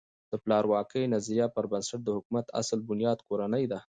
د پلار واکۍ نظریه پر بنسټ د حکومت اصل بنیاد کورنۍ ده.